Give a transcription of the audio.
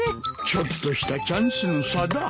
ちょっとしたチャンスの差だ。